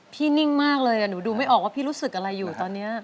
นิ่งมากเลยหนูดูไม่ออกว่าพี่รู้สึกอะไรอยู่ตอนนี้